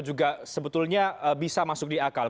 juga sebetulnya bisa masuk di akal